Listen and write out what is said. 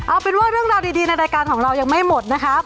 เอาเป็นว่าเรื่องราวดีในรายการของเรายังไม่หมดนะครับ